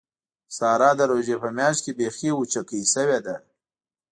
ساره د روژې په میاشت کې بیخي وچکۍ شوې ده.